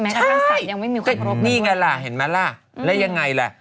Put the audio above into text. ใช่แต่นี่ไงเห็นไหมล่ะแล้วยังไงล่ะ